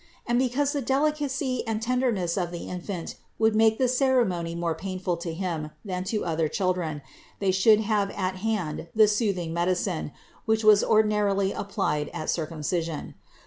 And because the delicacy and tenderness of the Infant would make this ceremony more painful to Him than to other children, they should have at hand the soothing medi cine, which was ordinarily applied at circumcision.